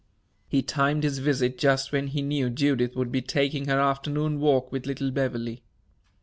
He timed his visit just when he knew Judith would be taking her afternoon walk with little Beverley.